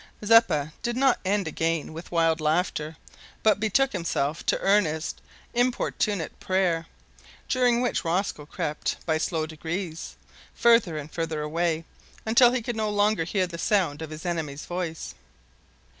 Zeppa did not end again with wild laughter, but betook himself to earnest importunate prayer, during which Rosco crept, by slow degrees, farther and farther away, until he could no longer hear the sound of his enemy's voice.